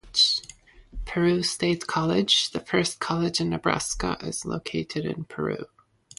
Peru State College, the first college in Nebraska, is located in Peru.